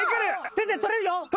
手で取れるよ。